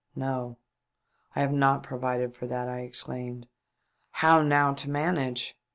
"No, I have not provided for that," I exclaimed. " How now to manage